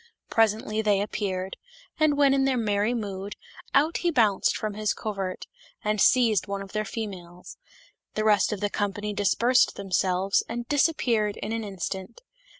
Presently they appeared, and when in their merry mood, out he bounced from his covert, and seized one of their females ; the rest of the company dis persed themselves, and disappeared in an instant.